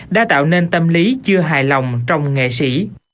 đã tạo nên tâm lý chưa hài lòng trong nghệ sĩ